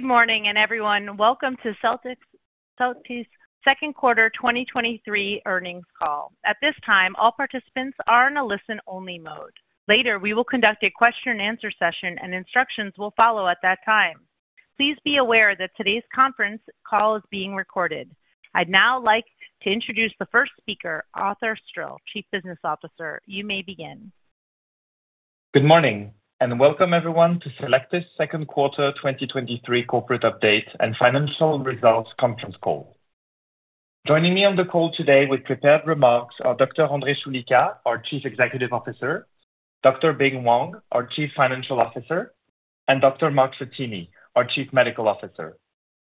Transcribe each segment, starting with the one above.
Good morning, and everyone, welcome to Cellectis, Cellectis' Second Quarter 2023 Earnings Call. At this time, all participants are in a listen-only mode. Later, we will conduct a question-and-answer session, and instructions will follow at that time. Please be aware that today's conference call is being recorded. I'd now like to introduce the first speaker, Arthur Stril, Chief Business Officer. You may begin. Good morning, welcome everyone to Cellectis' second quarter 2023 corporate update and financial results conference call. Joining me on the call today with prepared remarks are Dr. Andre Choulika, our Chief Executive Officer, Dr. Bing Wang, our Chief Financial Officer, and Dr. Mark Frattini, our Chief Medical Officer.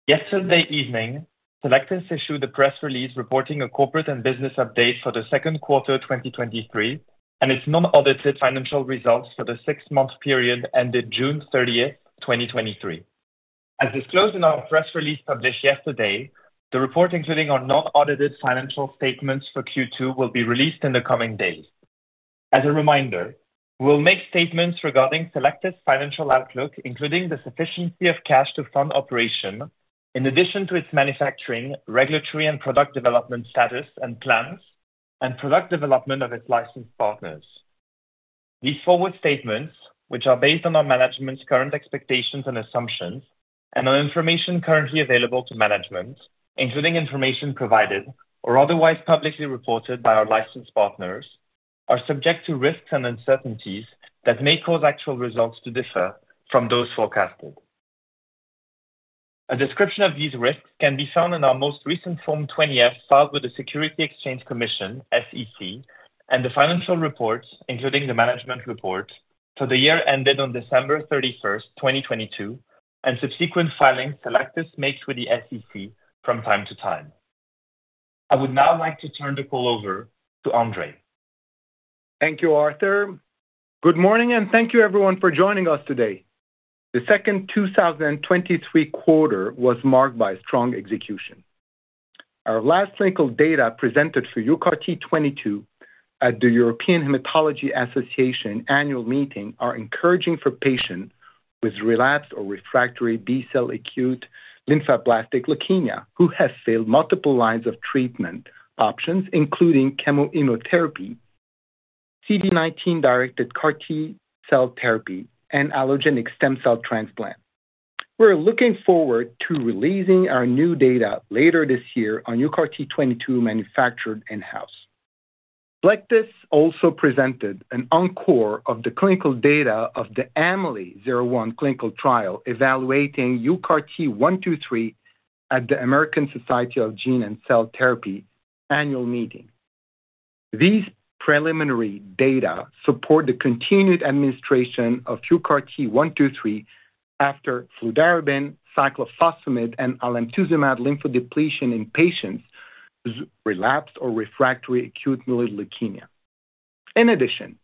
Yesterday evening, Cellectis issued a press release reporting a corporate and business update for the second quarter 2023 and its non-audited financial results for the six month period ended 30th June 2023. As disclosed in our press release published yesterday, the report, including our non-audited financial statements for Q2, will be released in the coming days. As a reminder, we'll make statements regarding Cellectis' financial outlook, including the sufficiency of cash to fund operation, in addition to its manufacturing, regulatory and product development status and plans, and product development of its licensed partners. These forward statements, which are based on our management's current expectations and assumptions and on information currently available to management, including information provided or otherwise publicly reported by our licensed partners, are subject to risks and uncertainties that may cause actual results to differ from those forecasted. A description of these risks can be found in our most recent Form 20-F, filed with the Securities and Exchange Commission, SEC, and the financial reports, including the management report for the year ended on 31 December, 2022, and subsequent filings Cellectis makes with the SEC from time to time. I would now like to turn the call over to Andre. Thank you, Arthur. Good morning, thank you everyone for joining us today. The second 2023 quarter was marked by strong execution. Our last clinical data presented for UCART22 at the European Hematology Association annual meeting are encouraging for patients with relapsed or refractory B-cell acute lymphoblastic leukemia who have failed multiple lines of treatment options, including chemoimmunotherapy, CD19 directed CAR T-cell therapy, and allogeneic stem cell transplant. We're looking forward to releasing our new data later this year on UCART22, manufactured in-house. Cellectis also presented an encore of the clinical data of the AMELI-01 clinical trial evaluating UCART123 at the American Society of Gene & Cell Therapy annual meeting. These preliminary data support the continued administration of UCART123 after fludarabine, cyclophosphamide, and alemtuzumab lymphodepletion in patients with relapsed or refractory acute myeloid leukemia. In addition,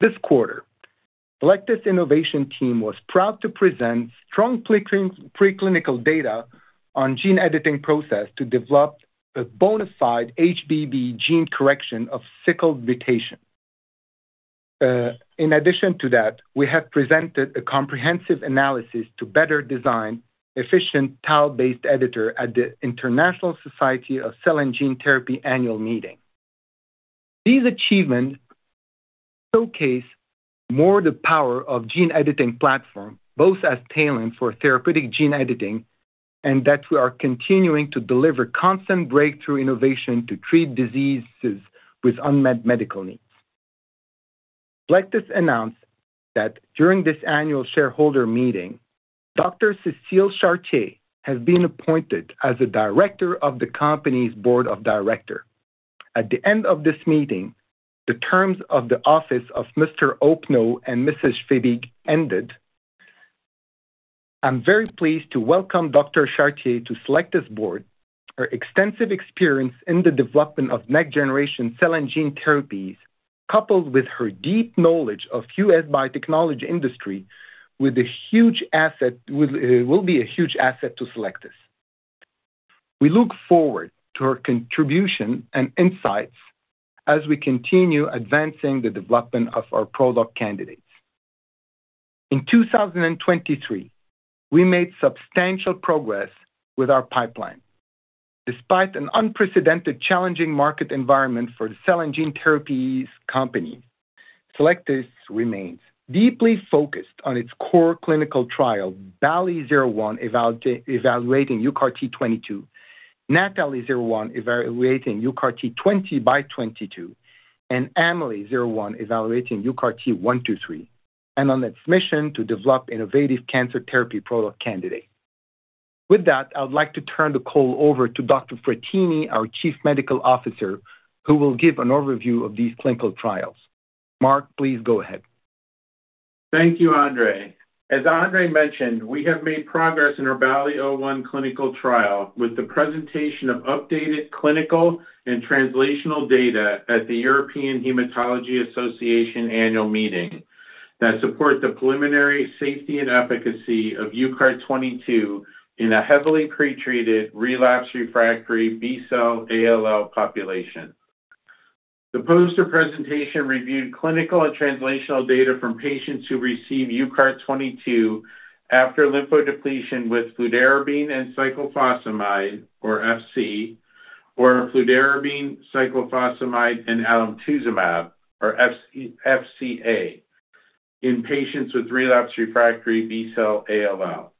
this quarter, Cellectis' innovation team was proud to present strong preclinical data on gene editing process to develop a bona fide HBB gene correction of sickle mutation. In addition to that, we have presented a comprehensive analysis to better design efficient TALE Base Editor at the International Society for Cell & Gene Therapy annual meeting. These achievements showcase more the power of gene editing platform, both as talent for therapeutic gene editing, and that we are continuing to deliver constant breakthrough innovation to treat diseases with unmet medical needs. Cellectis announced that during this annual shareholder meeting, Dr. Cecile Chartier has been appointed as a director of the company's Board of Directors. At the end of this meeting, the terms of the office of Mr. Opgen-Rhein and Mrs. Schwebig ended. I'm very pleased to welcome Dr. Cecile Chartier to Cellectis' board. Her extensive experience in the development of next-generation cell and gene therapies, coupled with her deep knowledge of US biotechnology industry, will be a huge asset to Cellectis. We look forward to her contribution and insights as we continue advancing the development of our product candidates. In 2023, we made substantial progress with our pipeline. Despite an unprecedented challenging market environment for the cell and gene therapies company, Cellectis remains deeply focused on its core clinical trial, BALLI-01, evaluating UCART22, NATHALI-01, evaluating UCART20x22, and AMELI-01, evaluating UCART123, and on its mission to develop innovative cancer therapy product candidate. With that, I would like to turn the call over to Dr. Frattini, our Chief Medical Officer, who will give an overview of these clinical trials. Mark, please go ahead. Thank you, Andre. As Andre mentioned, we have made progress in our BALLI-01 clinical trial with the presentation of updated clinical and translational data at the European Hematology Association annual meeting that support the preliminary safety and efficacy of UCART22 in a heavily pretreated, relapsed, refractory B-cell ALL population. The poster presentation reviewed clinical and translational data from patients who received UCART22 after lymphodepletion with fludarabine and cyclophosphamide, or FC, or fludarabine, cyclophosphamide, and alemtuzumab, or FC-FCA, in patients with relapsed/refractory B-cell ALL.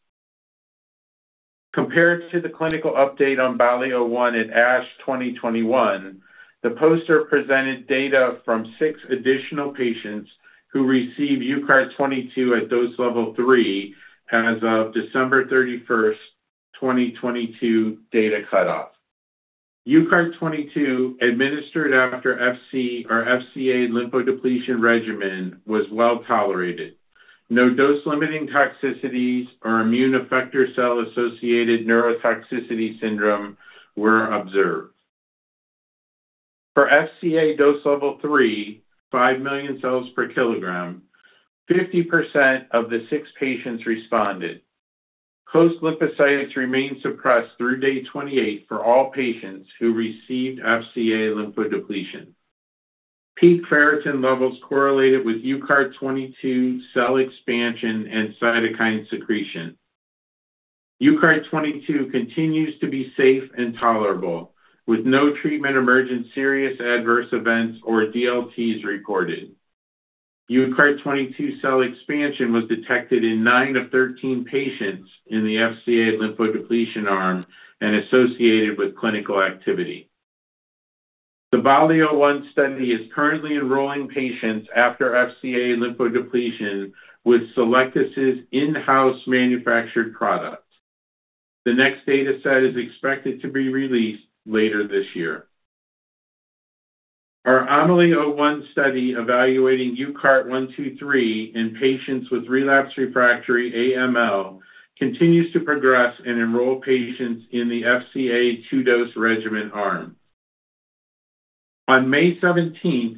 Compared to the clinical update on BALLI-01 at ASH 2021, the poster presented data from six additional patients who received UCART22 at dose level three as of 31st December 2022, data cutoff. UCART22, administered after FC or FCA lymphodepletion regimen, was well-tolerated. No dose-limiting toxicities or immune effector cell-associated neurotoxicity syndrome were observed. For FCA dose level three to five million cells per kilogram, 50% of the six patients responded. Post lymphocytes remained suppressed through day 28 for all patients who received FCA lymphodepletion. Peak ferritin levels correlated with UCART22 cell expansion and cytokine secretion. UCART22 continues to be safe and tolerable, with no treatment-emergent serious adverse events or DLTs recorded. UCART22 cell expansion was detected in nine of 13 patients in the FCA lymphodepletion arm and associated with clinical activity. The BALLI-01 study is currently enrolling patients after FCA lymphodepletion with Cellectis' in-house manufactured product. The next data set is expected to be released later this year. Our AMELI-01 study, evaluating UCART123 in patients with relapsed/refractory AML, continues to progress and enroll patients in the FCA two-dose regimen arm. On 17th May,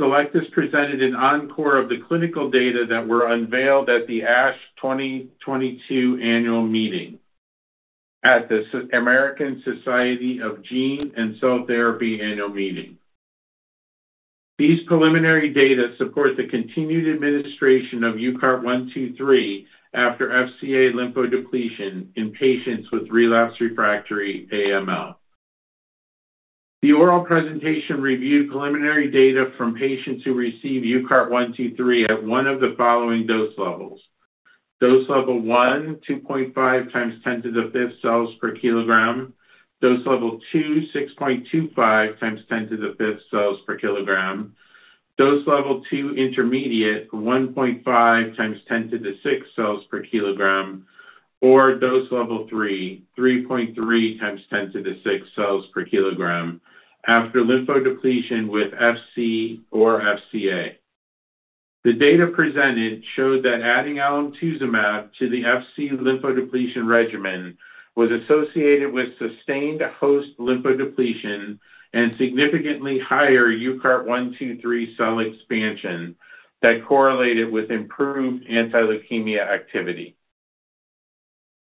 Cellectis presented an encore of the clinical data that were unveiled at the ASH 2022 annual meeting at the American Society of Gene & Cell Therapy annual meeting. These preliminary data support the continued administration of UCART123 after FCA lymphodepletion in patients with relapsed/refractory AML. The oral presentation reviewed preliminary data from patients who received UCART123 at 1 of the following dose levels: dose level 1, 2.5 x 10^5 cells/kilogram; dose level 2, 6.25 x 10^5 cells/kilogram; dose level 2 intermediate, 1.5 x 10^6 cells/kilogram; or dose level 3, 3.3 x 10^6 cells/kilogram, after lymphodepletion with FC or FCA. The data presented showed that adding alemtuzumab to the FC lymphodepletion regimen was associated with sustained host lymphodepletion and significantly higher UCART123 cell expansion that correlated with improved anti-leukemia activity.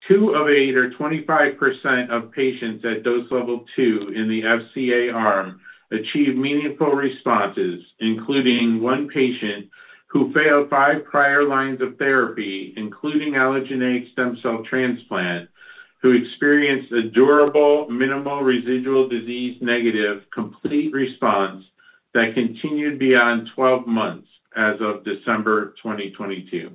Two of eight, or 25%, of patients at dose level two in the FCA arm achieved meaningful responses, including one patient who failed five prior lines of therapy, including allogeneic stem cell transplant, who experienced a durable minimal residual disease, negative, complete response that continued beyond 12 months as of December 2022.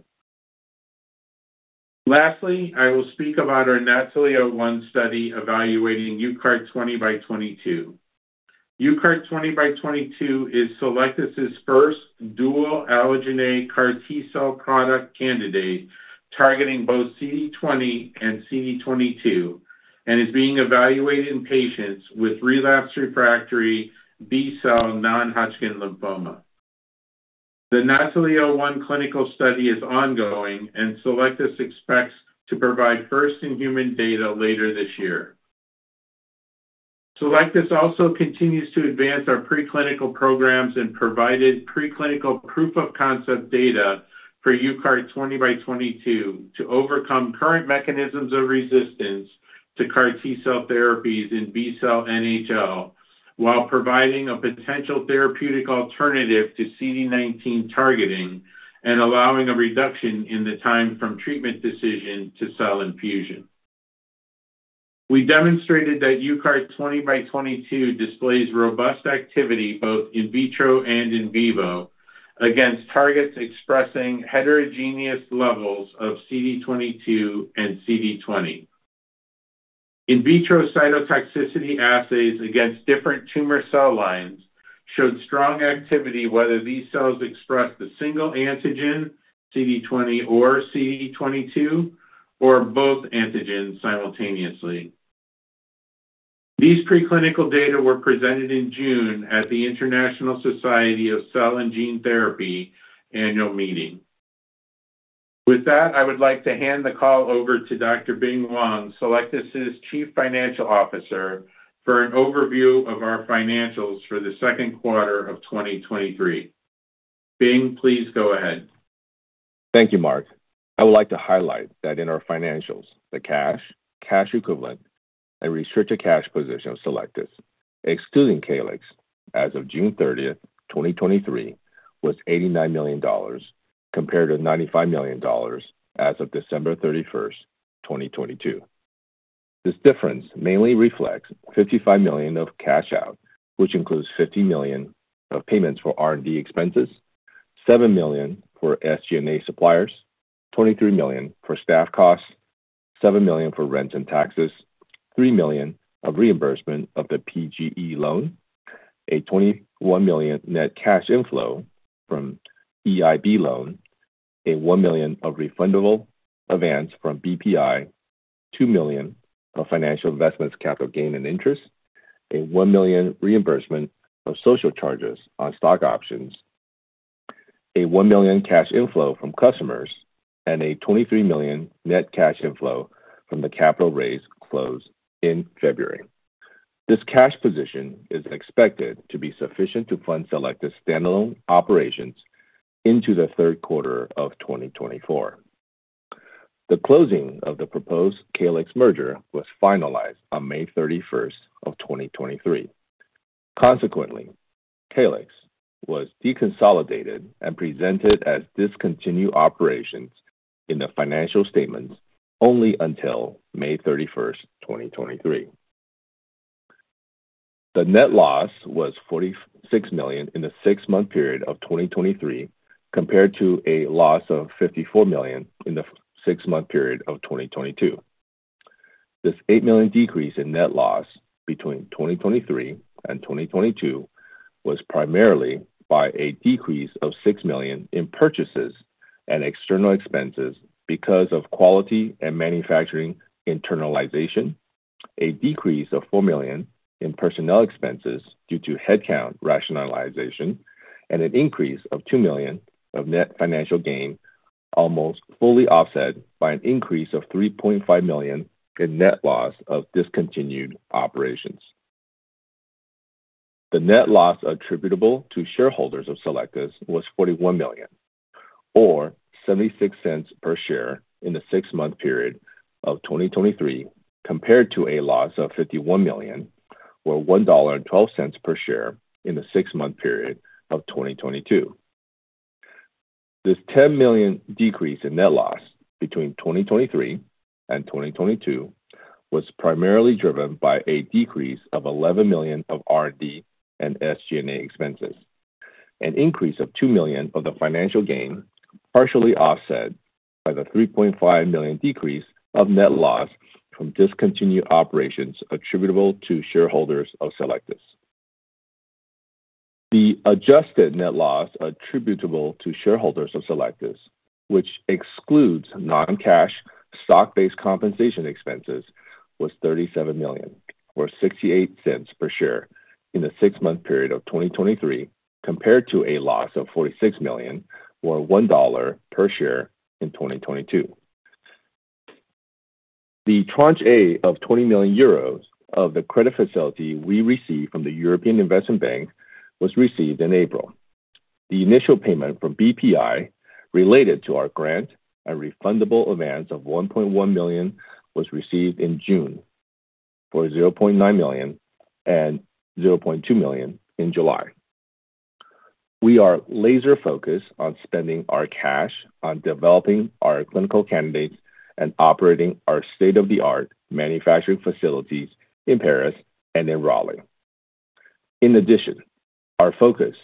Lastly, I will speak about our NATHALI-01 study evaluating UCART20x22. UCART20x22 is Cellectis' first dual allogeneic CAR T-cell product candidate, targeting both CD20 and CD22, and is being evaluated in patients with relapsed/refractory B-cell non-Hodgkin lymphoma. The NATHALI-01 clinical study is ongoing, and Cellectis expects to provide first-in-human data later this year. Cellectis also continues to advance our preclinical programs and provided preclinical proof-of-concept data for UCART20x22 to overcome current mechanisms of resistance to CAR T-cell therapies in B-cell NHL while providing a potential therapeutic alternative to CD19 targeting and allowing a reduction in the time from treatment decision to cell infusion. We demonstrated that UCART20x22 displays robust activity both in vitro and in vivo against targets expressing heterogeneous levels of CD22 and CD20. In vitro cytotoxicity assays against different tumor cell lines showed strong activity, whether these cells expressed a single antigen, CD20 or CD22, or both antigens simultaneously. These preclinical data were presented in June at the International Society for Cell & Gene Therapy annual meeting. With that, I would like to hand the call over to Dr. Bing Wang, Cellectis' Chief Financial Officer, for an overview of our financials for the second quarter of 2023. Bing, please go ahead. Thank you, Mark. I would like to highlight that in our financials, the cash, cash equivalent, and restricted cash position of Cellectis, excluding Calyxt, as of 30th June 2023, was $89 million, compared to $95 million as of 31st December 2022. This difference mainly reflects $55 million of cash out, which includes $50 million of payments for R&D expenses, $7 million for SG&A suppliers, $23 million for staff costs, $7 million for rent and taxes, $3 million of reimbursement of the PGE loan, a $21 million net cash inflow from EIB loan, a $1 million of refundable advance from BPI, $2 million of financial investments, capital gain and interest, a $1 million reimbursement of social charges on stock options, a $1 million cash inflow from customers, and a $23 million net cash inflow from the capital raise closed in February. This cash position is expected to be sufficient to fund Cellectis' standalone operations into the third quarter of 2024. The closing of the proposed Calyxt merger was finalized on May 31, 2023. Consequently, Calyxt was deconsolidated and presented as discontinued operations in the financial statements only until May 31, 2023. The net loss was $46 million in the six month period of 2023, compared to a loss of $54 million in the six month period of 2022. This $8 million decrease in net loss between 2023 and 2022 was primarily by a decrease of $6 million in purchases and external expenses because of quality and manufacturing internalization, a decrease of $4 million in personnel expenses due to headcount rationalization, and an increase of $2 million of net financial gain, almost fully offset by an increase of $3.5 million in net loss of discontinued operations. The net loss attributable to shareholders of Cellectis was $41 million, or $0.76 per share in the six-month period of 2023, compared to a loss of $51 million, or $1.12 per share in the six-month period of 2022. This $10 million decrease in net loss between 2023 and 2022 was primarily driven by a decrease of $11 million of R&D and SG&A expenses, an increase of $2 million of the financial gain, partially offset by the $3.5 million decrease of net loss from discontinued operations attributable to shareholders of Cellectis. The adjusted net loss attributable to shareholders of Cellectis, which excludes non-cash stock-based compensation expenses, was $37 million, or $0.68 per share in the six-month period of 2023, compared to a loss of $46 million, or $1 per share in 2022. The tranche A of 20 million euros of the credit facility we received from the European Investment Bank was received in April. The initial payment from BPI related to our grant and refundable advance of $1.1 million was received in June, for $0.9 million and $0.2 million in July. We are laser-focused on spending our cash on developing our clinical candidates and operating our state-of-the-art manufacturing facilities in Paris and in Raleigh. In addition, our focus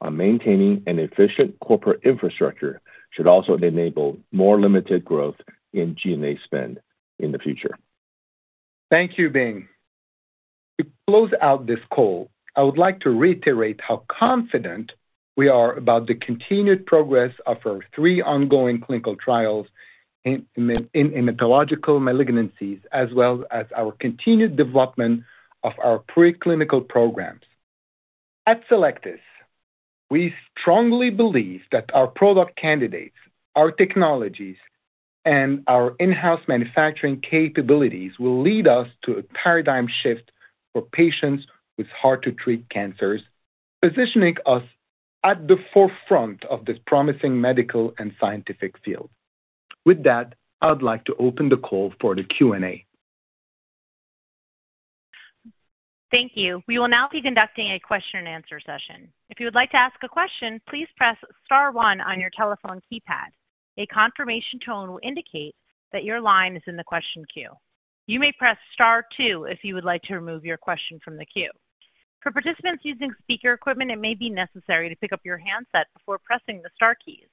on maintaining an efficient corporate infrastructure should also enable more limited growth in G&A spend in the future. Thank you, Bing. To close out this call, I would like to reiterate how confident we are about the continued progress of our three ongoing clinical trials in hematological malignancies, as well as our continued development of our preclinical programs. At Cellectis, we strongly believe that our product candidates, our technologies, and our in-house manufacturing capabilities will lead us to a paradigm shift for patients with hard-to-treat cancers, positioning us at the forefront of this promising medical and scientific field. With that, I would like to open the call for the Q&A. Thank you. We will now be conducting a question-and-answer session. If you would like to ask a question, please press star one on your telephone keypad. A confirmation tone will indicate that your line is in the question queue. You may press star two if you would like to remove your question from the queue. For participants using speaker equipment, it may be necessary to pick up your handset before pressing the star keys.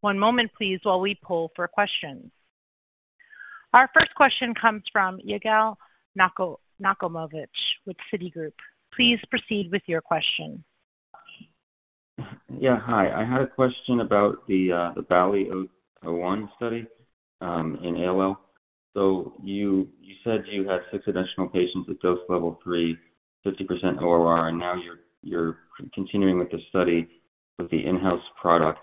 One moment, please, while we poll for questions. Our first question comes from Yigal Nochomovitz with Citigroup. Please proceed with your question. Yeah, hi. I had a question about the BALLI-01 study in ALL. You said you had six additional patients at dose level three, 50% ORR, and now you're continuing with the study with the in-house product.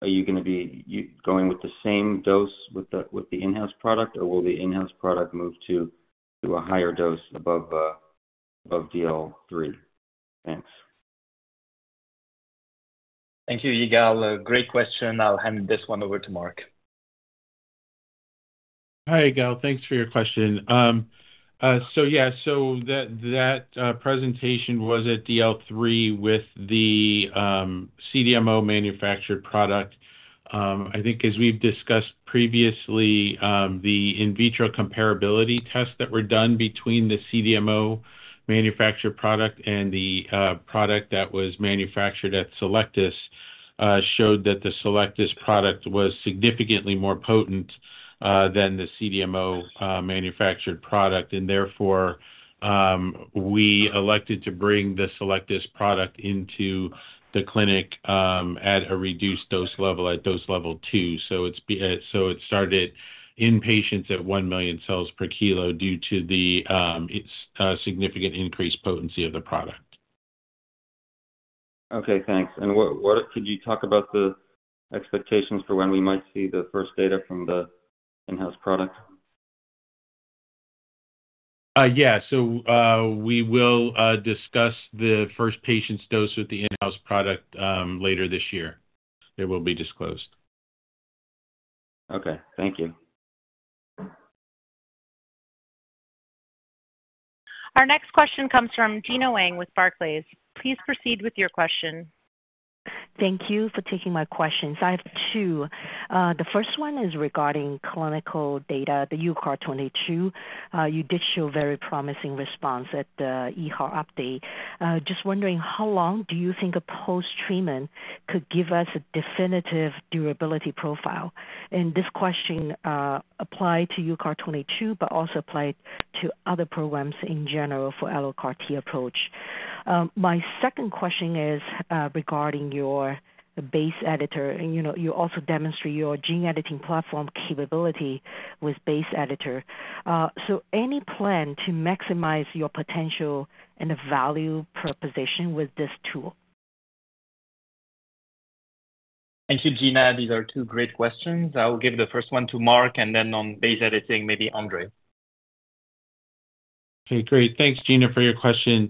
Are you gonna be going with the same dose with the in-house product, or will the in-house product move to a higher dose above DL3? Thanks. Thank you, Yigal. Great question. I'll hand this one over to Mark. Hi, Yigal. Thanks for your question. Yeah, so that, that presentation was at DL3 with the CDMO manufactured product. I think as we've discussed previously, the in vitro comparability test that were done between the CDMO manufactured product and the product that was manufactured at Cellectis showed that the Cellectis product was significantly more potent than the CDMO manufactured product. Therefore, we elected to bring the Cellectis product into the clinic at a reduced dose level, at dose level two. It started in patients at 1 million cells per kilo due to its significant increased potency of the product. Okay, thanks. What, what could you talk about the expectations for when we might see the first data from the in-house product? Yeah. We will discuss the first patients dosed with the in-house product, later this year. It will be disclosed. Okay. Thank you. Our next question comes from Gena Wang with Barclays. Please proceed with your question. Thank you for taking my questions. I have two. The first one is regarding clinical data, the UCART22. You did show very promising response at the EHA update. Just wondering, how long do you think a post-treatment could give us a definitive durability profile? This question apply to UCART22, but also apply to other programs in general for allo CAR T approach. My second question is regarding your base editor. You know, you also demonstrate your gene editing platform capability with base editor. Any plan to maximize your potential and the value proposition with this tool? Thank you, Gina. These are two great questions. I will give the first one to Mark, and then on base editing, maybe Andre. Okay, great. Thanks, Gina, for your question.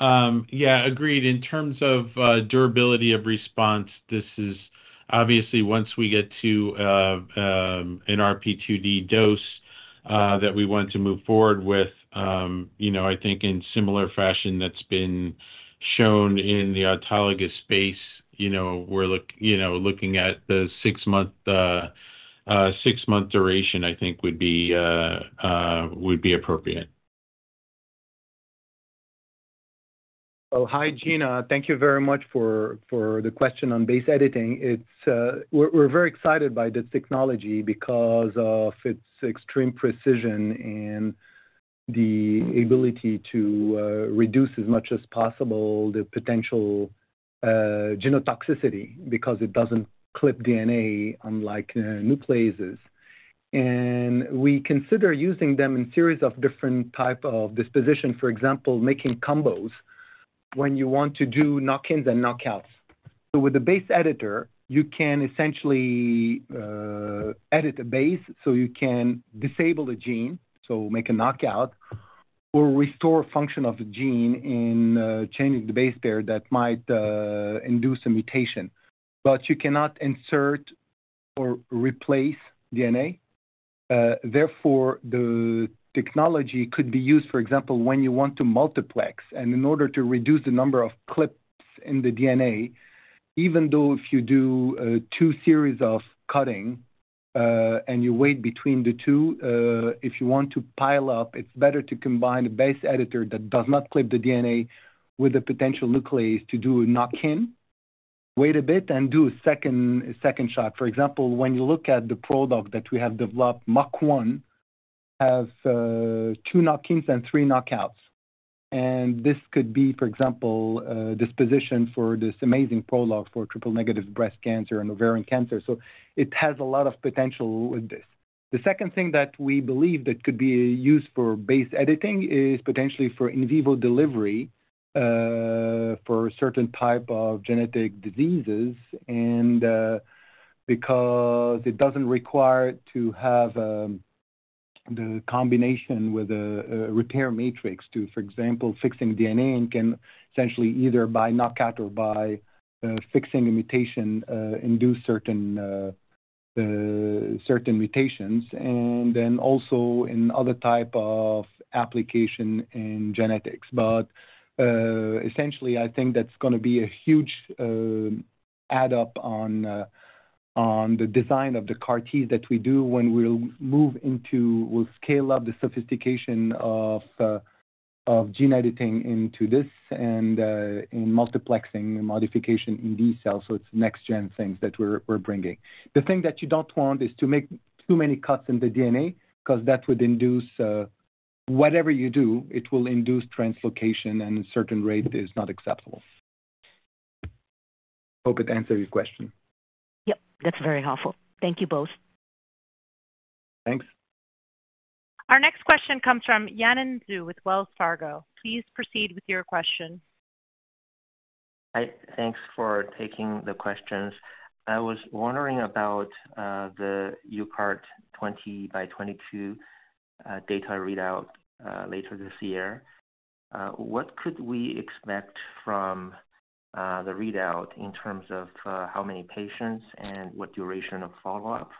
Yeah, agreed. In terms of durability of response, this is obviously once we get to an RP2D dose that we want to move forward with, you know, I think in similar fashion that's been shown in the autologous space. You know, we're you know, looking at the six-month, six-month duration, I think would be appropriate. Oh, hi, Gina. Thank you very much for the question on base editing. It's. We're, we're very excited by this technology because of its extreme precision and the ability to reduce as much as possible the potential genotoxicity, because it doesn't clip DNA, unlike nucleases. We consider using them in series of different type of disposition, for example, making combos when you want to do knock-ins and knockouts. With the base editor, you can essentially edit a base, so you can disable a gene, so make a knockout, or restore function of the gene in changing the base pair that might induce a mutation. You cannot insert or replace DNA. Therefore, the technology could be used, for example, when you want to multiplex and in order to reduce the number of clips in the DNA, even though if you do two series of cutting, and you wait between the two, if you want to pile up, it's better to combine a base editor that does not clip the DNA with a potential nuclease to do a knock-in, wait a bit, and do a second, a second shot. For example, when you look at the product that we have developed, Mach one, has two knock-ins and three knockouts. This could be, for example, disposition for this amazing prologue for triple-negative breast cancer and ovarian cancer. It has a lot of potential with this. The second thing that we believe that could be used for base editing is potentially for in vivo delivery, for certain type of genetic diseases, and because it doesn't require to have the combination with a repair matrix to, for example, fixing DNA and can essentially either by knockout or by fixing a mutation induce certain mutations and then also in other type of application in genetics. Essentially, I think that's going to be a huge add up on the design of the CAR T that we do when we'll move into, we'll scale up the sophistication of gene editing into this and in multiplexing and modification in these cells. It's next-gen things that we're, we're bringing. The thing that you don't want is to make too many cuts in the DNA because that would induce. Whatever you do, it will induce translocation, and a certain rate is not acceptable. Hope it answered your question. Yep, that's very helpful. Thank you both. Thanks. Our next question comes from Yanan Zhu with Wells Fargo. Please proceed with your question. Hi, thanks for taking the questions. I was wondering about the UCART22 by 22 data readout later this year. What could we expect from the readout in terms of how many patients and what duration of follow-up?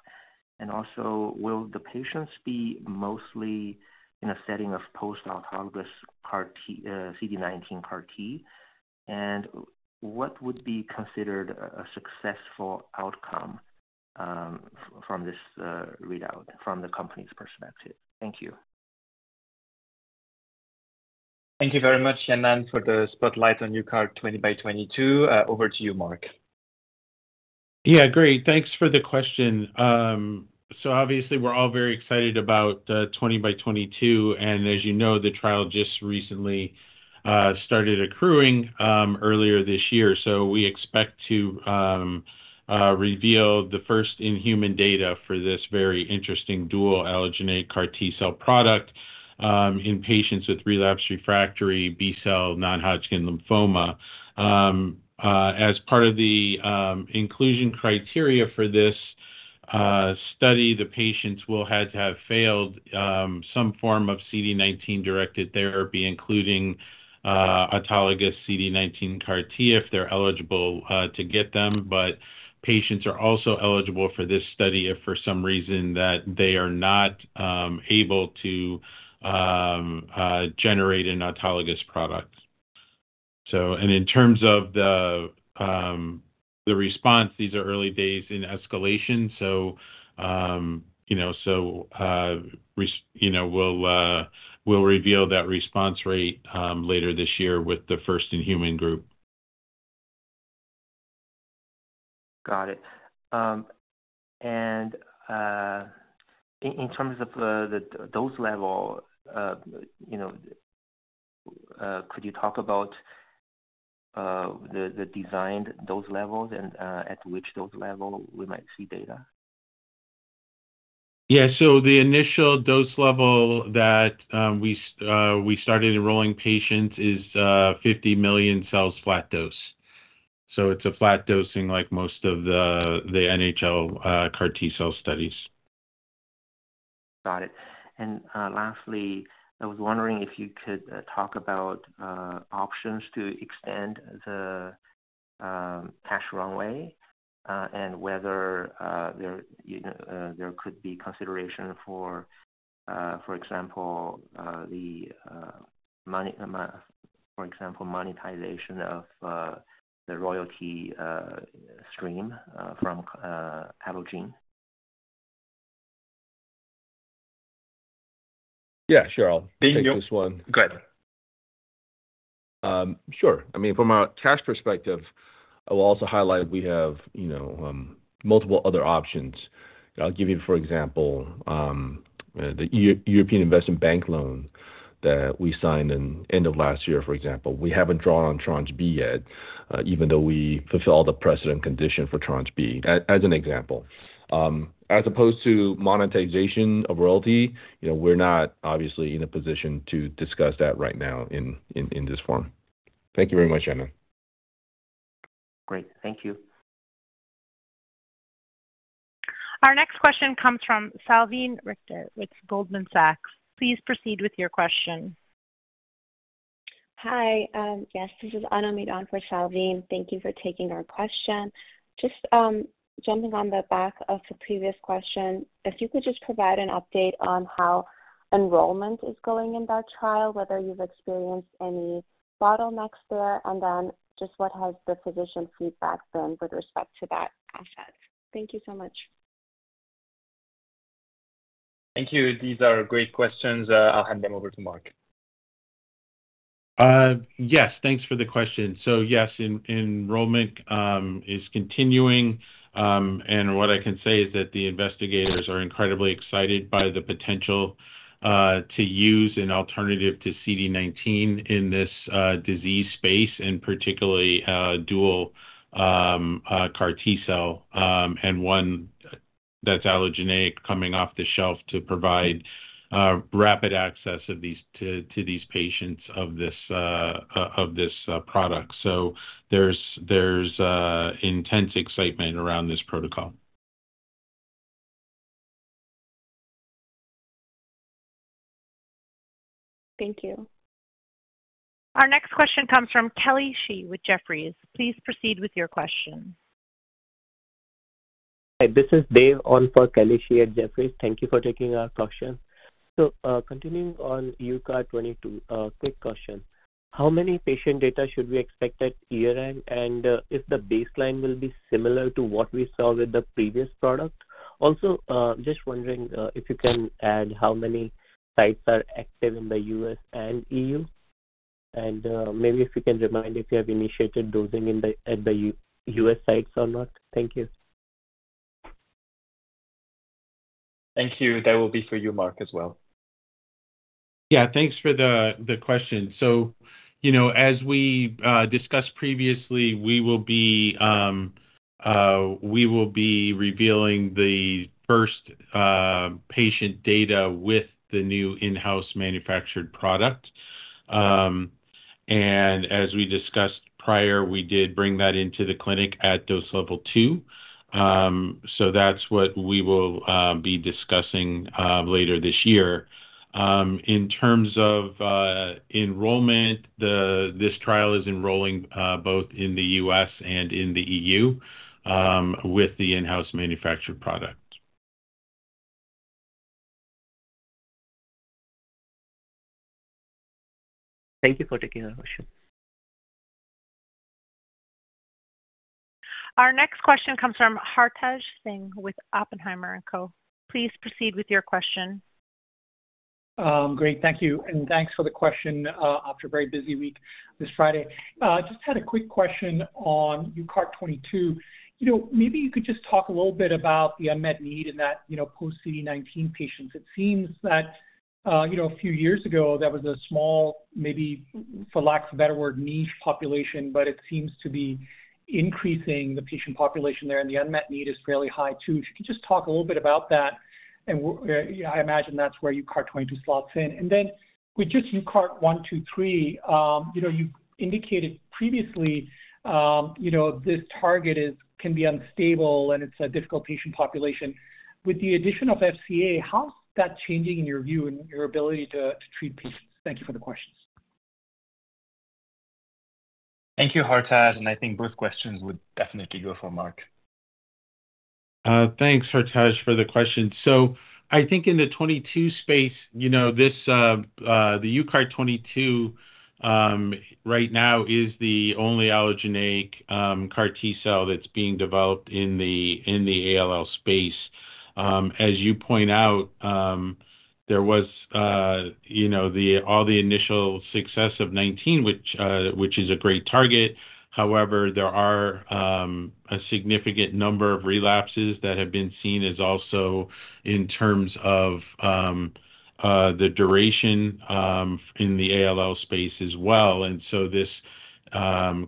Also, will the patients be mostly in a setting of post-autologous CAR T- CD19 CAR T? What would be considered a, a successful outcome from this readout from the company's perspective? Thank you. Thank you very much, Yannan, for the spotlight on UCART20x22. Over to you, Mark. Yeah, great. Thanks for the question. Obviously, we're all very excited about 20x22, and as you know, the trial just recently started accruing earlier this year. We expect to reveal the first in-human data for this very interesting dual allogeneic CAR T-cell product in patients with relapsed/refractory B-cell non-Hodgkin lymphoma. As part of the inclusion criteria for this study, the patients will have to have failed some form of CD19-directed therapy, including autologous CD19 CAR T if they're eligible to get them. Patients are also eligible for this study if for some reason that they are not able to generate an autologous product. In terms of the, the response, these are early days in escalation, so, you know, so, you know, we'll, we'll reveal that response rate, later this year with the 1st in human group. Got it. In terms of the, the dose level, you know, could you talk about, the, the designed dose levels and, at which dose level we might see data? Yeah. The initial dose level that we started enrolling patients is 50 million cells flat dose. It's a flat dosing like most of the, the NHL, CAR T cell studies. Got it. Lastly, I was wondering if you could talk about options to extend the cash runway, and whether there, you know, there could be consideration for, for example, the money, For example, monetization of the royalty stream from Allogene. Yeah, sure. I'll take this one. Go ahead. Sure. I mean, from a cash perspective, I will also highlight we have, you know, multiple other options. I'll give you, for example, the European Investment Bank loan that we signed in end of last year, for example. We haven't drawn on Tranche B yet, even though we fulfill all the precedent conditions for Tranche B, as, as an example. As opposed to monetization of royalty, you know, we're not obviously in a position to discuss that right now in, in, in this forum. Thank you very much, Yannan. Great. Thank you. Our next question comes from Salveen Richter with Goldman Sachs. Please proceed with your question. Hi, yes, this is Anupam Damani on for Salveen. Thank you for taking our question. Just, jumping on the back of the previous question, if you could just provide an update on how enrollment is going in that trial, whether you've experienced any bottlenecks there, then just what has the physician feedback been with respect to that asset? Thank you so much. Thank you. These are great questions. I'll hand them over to Mark. Yes, thanks for the question. Yes, enrollment is continuing. What I can say is that the investigators are incredibly excited by the potential to use an alternative to CD19 in this disease space, and particularly, dual CAR T cell, and one that's allogeneic coming off the shelf to provide rapid access to these patients, of this product. There's, there's intense excitement around this protocol. Thank you. Our next question comes from Kelly Shi with Jefferies. Please proceed with your question. Hi, this is Dave on for Kelly Shi at Jefferies. Thank you for taking our question. Continuing on UCART22, quick question: How many patient data should we expect at year-end? If the baseline will be similar to what we saw with the previous product. Just wondering if you can add how many sites are active in the US and EU, maybe if you can remind if you have initiated dosing at the US sites or not. Thank you. Thank you. That will be for you, Mark, as well. Yeah, thanks for the, the question. You know, as we discussed previously, we will be revealing the first patient data with the new in-house manufactured product. As we discussed prior, we did bring that into the clinic at dose level two. That's what we will be discussing later this year. In terms of enrollment, this trial is enrolling both in the US and in the EU with the in-house manufactured product. Thank you for taking the question. Our next question comes from Hartaj Singh with Oppenheimer & Co. Please proceed with your question. Great. Thank you, and thanks for the question after a very busy week this Friday. Just had a quick question on UCART22. You know, maybe you could just talk a little bit about the unmet need in that, you know, post-CD19 patients. It seems that, you know, a few years ago, there was a small, maybe, for lack of a better word, niche population, but it seems to be increasing the patient population there, and the unmet need is fairly high, too. If you could just talk a little bit about that, and I imagine that's where UCART22 slots in. Then with just UCART123, you know, you indicated previously, you know, this target is, can be unstable, and it's a difficult patient population. With the addition of FCA, how's that changing in your view and your ability to treat patients? Thank you for the questions. Thank you, Hartaj, and I think both questions would definitely go for Mark. Thanks, Hartaj, for the question. I think in the 22 space, you know, the UCART 22, right now is the only allogeneic CAR T cell that's being developed in the ALL space. As you point out, there was, you know, all the initial success of 19, which is a great target. However, there are a significant number of relapses that have been seen as also in terms of the duration in the ALL space as well. This,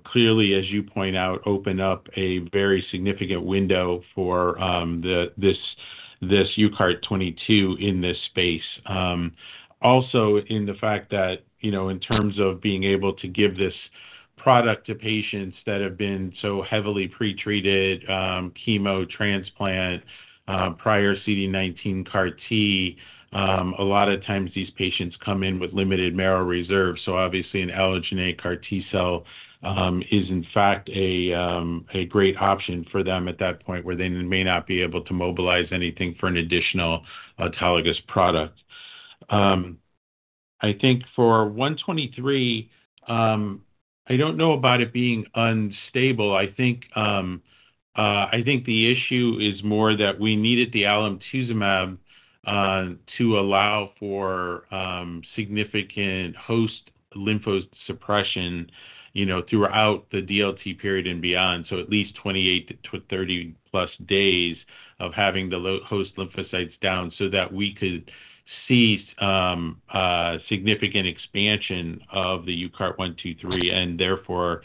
clearly, as you point out, opened up a very significant window for this UCART 22 in this space. Also, in the fact that, you know, in terms of being able to give this product to patients that have been so heavily pretreated, chemo, transplant, prior CD19 CAR T, a lot of times these patients come in with limited marrow reserve. Obviously, an allogeneic CAR T-cell is in fact a great option for them at that point, where they may not be able to mobilize anything for an additional autologous product. I think for 123, I don't know about it being unstable. I think, I think the issue is more that we needed the alemtuzumab to allow for significant host lymphosuppression, you know, throughout the DLT period and beyond, so at least 28 to 30+ days of having the host lymphocytes down so that we could see significant expansion of the UCART123 and therefore,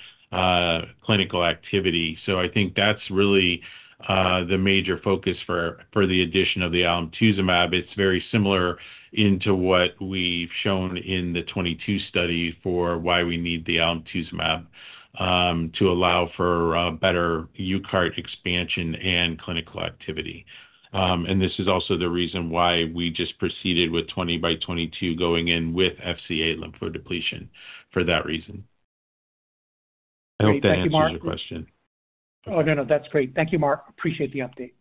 clinical activity. I think that's really the major focus for, for the addition of the alemtuzumab. It's very similar into what we've shown in the UCART22 study for why we need the alemtuzumab to allow for better UCART expansion and clinical activity. This is also the reason why we just proceeded with UCART20x22, going in with FCA lymphodepletion for that reason. Great. Thank you, Mark. I hope that answers your question. Oh, no, no. That's great. Thank you, Mark. Appreciate the update.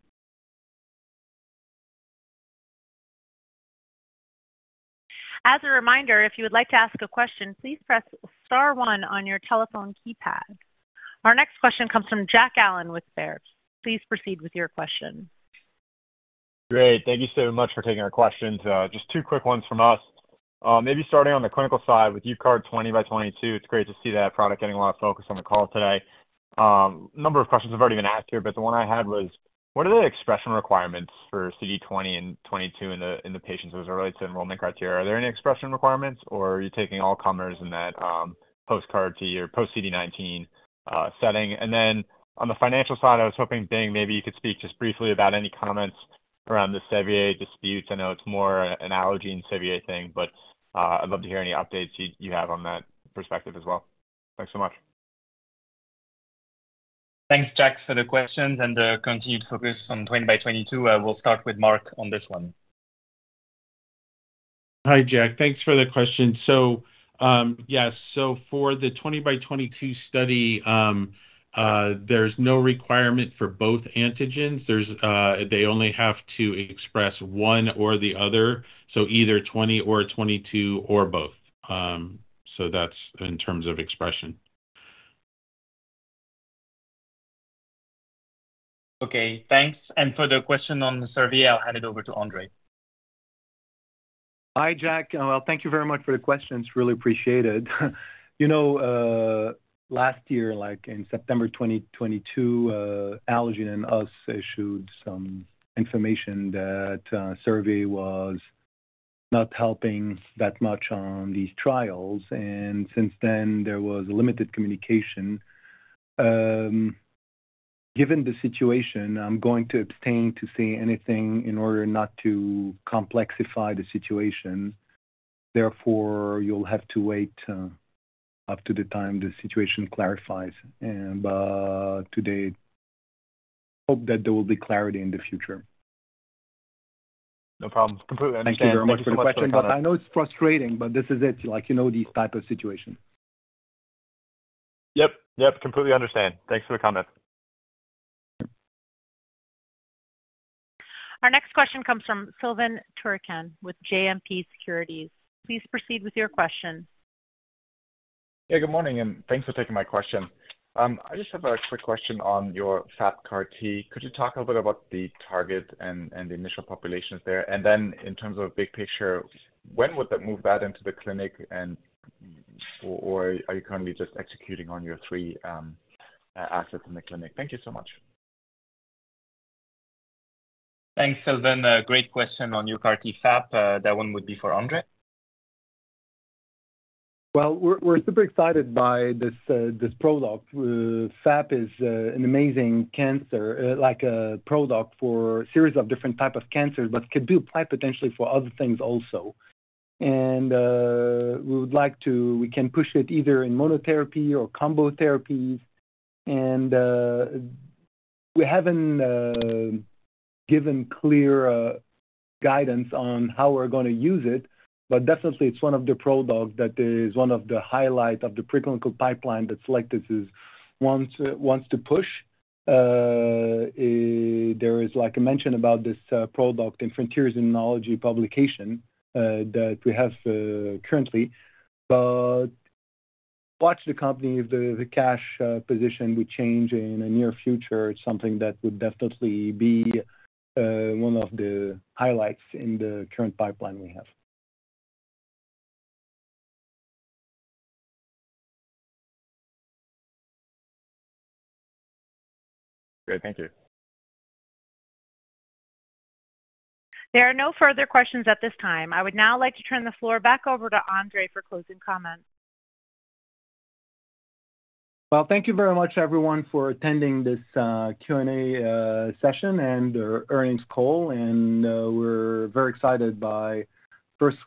As a reminder, if you would like to ask a question, please press star one on your telephone keypad. Our next question comes from Jack Allen with Baird. Please proceed with your question. Great. Thank you so much for taking our questions. Just two quick ones from us. Maybe starting on the clinical side with UCART20x22, it's great to see that product getting a lot of focus on the call today. A number of questions have already been asked here, but the one I had was: What are the expression requirements for CD20 and CD22 in the, in the patients with regard to enrollment criteria? Are there any expression requirements, or are you taking all comers in that, post-CAR T or post-CD19 setting? Then on the financial side, I was hoping, Bing, maybe you could speak just briefly about any comments around the Servier disputes. I know it's more an Allogene Servier thing, but I'd love to hear any updates you, you have on that perspective as well. Thanks so much. Thanks, Jack, for the questions and the continued focus on twenty by twenty-two. We'll start with Mark on this one. Hi, Jack. Thanks for the question. Yes, for the 20x22 study, there's no requirement for both antigens. There's they only have to express one or the other, so either 20 or 22 or both. That's in terms of expression. Okay, thanks. For the question on the Servier, I'll hand it over to Andre. Hi, Jack. Well, thank you very much for the questions. Really appreciated. You know, last year, like in September 2022, Allogene and us issued some information that, Servier was not helping that much on these trials, and since then, there was limited communication. Given the situation, I'm going to abstain to say anything in order not to complexify the situation. Therefore, you'll have to wait, up to the time the situation clarifies. But today, hope that there will be clarity in the future. No problem. Completely understand. Thank you very much for the question. I know it's frustrating, but this is it, like, you know, these type of situations. Yep. Yep, completely understand. Thanks for the comment. Our next question comes from Silvan Tuerkcan with JMP Securities. Please proceed with your question. Yeah, good morning, and thanks for taking my question. I just have a quick question on your FAP CAR T. Could you talk a bit about the target and, and the initial populations there? Then in terms of big picture, when would that move that into the clinic, and, or, or are you currently just executing on your three assets in the clinic? Thank you so much. Thanks, Sylvain. A great question on your CAR T FAP. That one would be for Andre. Well, we're, we're super excited by this product. FAP is an amazing cancer, like a product for a series of different type of cancers, but could be applied potentially for other things also. We would like to... We can push it either in monotherapy or combo therapies, we haven't given clear guidance on how we're gonna use it, but definitely it's one of the products that is one of the highlight of the preclinical pipeline that Cellectis is wants, wants to push. There is, like I mentioned, about this product in Frontiers in Immunology publication that we have currently. Watch the company, if the cash position will change in the near future, it's something that would definitely be one of the highlights in the current pipeline we have. Great. Thank you. There are no further questions at this time. I would now like to turn the floor back over to Andre for closing comments. Well, thank you very much, everyone, for attending this Q&A session and earnings call. We're very excited by first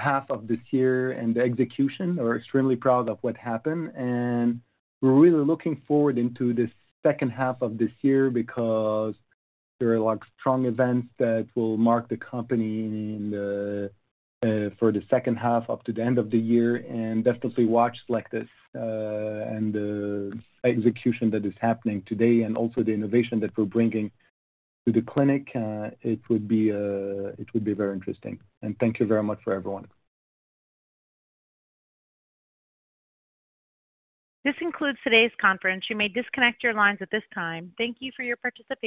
half of this year and the execution. We're extremely proud of what happened, and we're really looking forward into the second half of this year because there are, like, strong events that will mark the company in the for the second half up to the end of the year. Definitely watch Cellectis and the execution that is happening today, and also the innovation that we're bringing to the clinic. It would be very interesting. Thank you very much for everyone. This concludes today's conference. You may disconnect your lines at this time. Thank you for your participation.